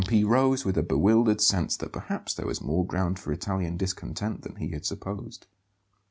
P. rose with a bewildered sense that perhaps there was more ground for Italian discontent than he had supposed.